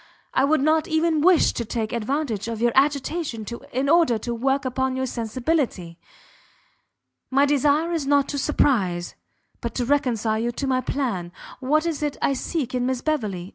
I would not even wish to take advantage of your agitation in order to work upon your sensibility. My desire is not to surprize, but to reconcile you to my plan. What is it I seek in Miss Beverley?